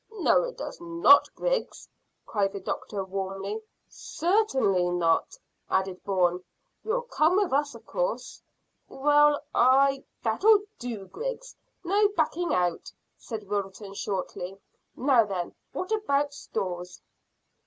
"No, it does not, Griggs," cried the doctor warmly. "Cer tain ly not," added Bourne. "You will come with us, of course." "Well, I " "That'll do, Griggs; no backing out," said Wilton shortly. "Now then, what about stores?"